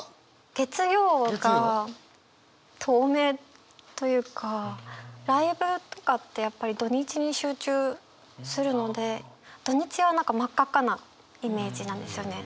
月曜がライブとかってやっぱり土日に集中するので土日は何か真っ赤っかなイメージなんですよね。